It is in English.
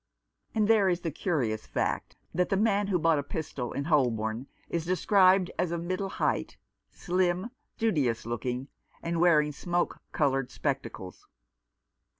And there is the curious fact that the man who bought a pistol in Holborn is described as of middle height, slim, studious looking, and wearing smoke coloured spectacles.